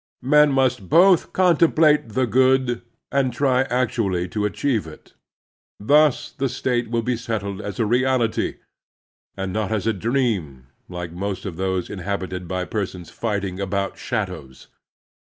... [Men must] both contemplate the good and try actually to achieve it. Thus the state will be settled as a reality, and not as a dream, like most of those inhabited by persons fighting about shadows."